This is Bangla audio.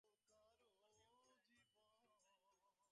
সুরমা সেই অন্ধকারে একবার উদয়াদিত্যর মুখের দিকে চাহিল।